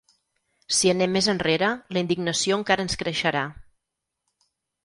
Si anem més enrere la indignació encara ens creixerà.